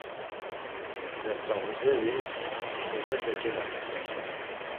Elat̆rağuderi Baǩozepe kelaxt̆u.